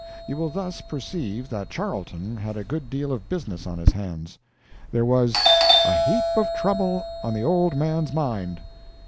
You will thus perceive that Charlton had a good deal of business on his hands. There was "a heap of trouble on the old man's mind."